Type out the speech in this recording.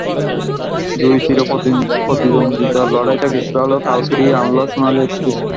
দুই চিরপ্রতিদ্বন্দ্বীর লড়াইটা কিছুটা হলেও কাল ফিরিয়ে আনল সোনালি অতীতের স্মৃতি।